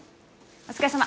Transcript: お疲れさま。